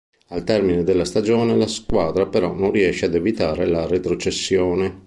Al termine della stagione la squadra però non riesce ad evitare la retrocessione.